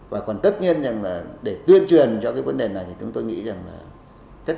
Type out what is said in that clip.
và còn tất nhiên là để tuyên truyền cho cái vấn đề này thì chúng tôi nghĩ rằng là tất cả xã hội phải làm